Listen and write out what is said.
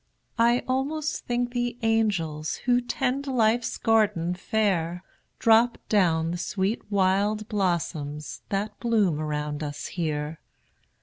I almost think the angels, Who tend life's garden fair, Drop down the sweet wild blossoms That bloom around us here.